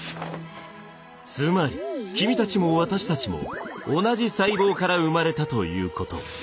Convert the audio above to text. つまり君たちも私たちも同じ細胞から生まれたということ。